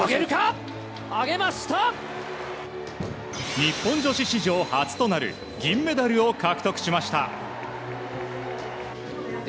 日本女子史上初となる銀メダルを獲得しました。